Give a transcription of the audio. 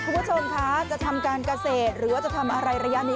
คุณผู้ชมคะจะทำการเกษตรหรือว่าจะทำอะไรระยะนี้